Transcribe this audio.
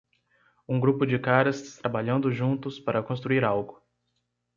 Um grupo de caras trabalhando juntos para construir algo